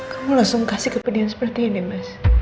kamu langsung kasih kepedean seperti ini bas